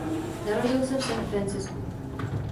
Narodil se v San Franciscu.